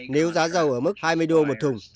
nếu giá dầu ở mức hai mươi đô một thùng